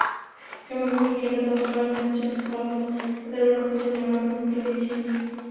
এমনকি কেন্দ্র দখল করে নির্বাচনী ফলাফল তাঁদের অনুকূলে নেওয়ারও হুমকি দিয়েছেন।